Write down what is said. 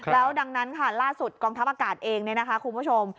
แล้วดังนั้นล่าสุดกองทัพอากาศเองคุณผู้ชม